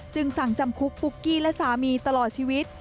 สั่งจำคุกปุ๊กกี้และสามีตลอดชีวิต